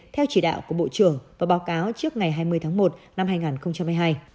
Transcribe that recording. theo chỉ đạo của bộ trưởng và báo cáo trước ngày hai mươi tháng một năm hai nghìn hai mươi hai